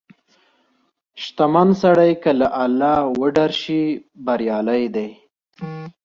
• شتمن سړی که له الله وډار شي، بریالی دی.